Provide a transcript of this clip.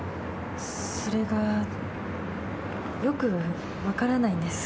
それがよく分からないんです。